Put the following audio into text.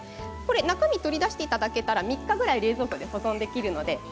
中身を取り出していただいたら３日ぐらい冷蔵庫で保存できます。